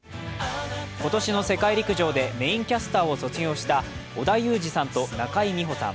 今年の世界陸上でメインキャスターを卒業した織田裕二さんと中井美穂さん。